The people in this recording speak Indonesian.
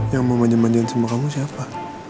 yang mau manja manja sama kamu siapa